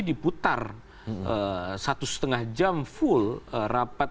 diputar satu setengah jam full rapat